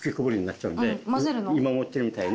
今持ってるみたいに。